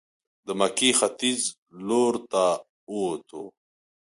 د مکې ختیځ لورته ووتو.